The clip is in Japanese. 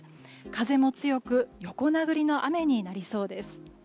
風も強く横殴りの雨になりそうです。